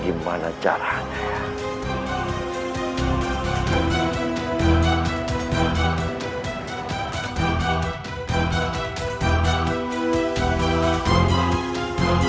gimana caranya ya